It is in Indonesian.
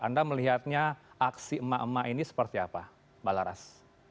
anda melihatnya aksi emak emak ini seperti apa mbak laras